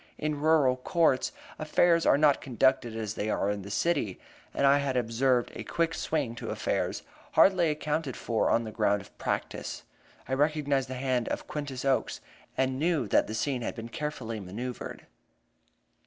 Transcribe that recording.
In rural courts, affairs are not conducted as they are in the city, and I had observed a quick swing to affairs, hardly accounted for on the ground of practice. I recognized the hand of Quintus Oakes, and knew that the scene had been carefully manoeuvred.